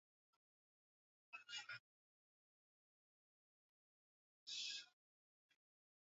wao wakaitisha mkutano wa kwanza wa wawakilishi